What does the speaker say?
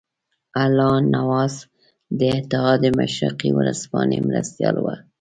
الله نواز د اتحاد مشرقي ورځپاڼې مرستیال وو.